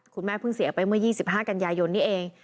คุณแม่เพิ่งเสียไปเมื่อ๒๕กันยายนนี้เอง